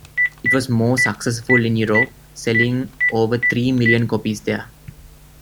It was more successful in Europe, selling over three million copies there.